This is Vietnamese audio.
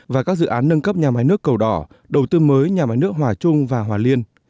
và các dự án nâng cấp nhà máy nước cầu đảo đầu tư mới nhà máy nước hoa trung và hoa liên